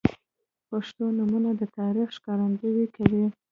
• پښتو نومونه د تاریخ ښکارندویي کوي.